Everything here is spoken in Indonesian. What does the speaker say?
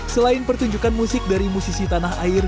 selain pertunjukan musik dari musisi tanah air